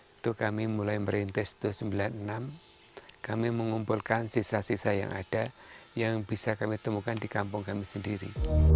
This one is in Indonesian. itu kami mulai merintis itu sembilan puluh enam kami mengumpulkan sisa sisa yang ada yang bisa kami temukan di kampung kami sendiri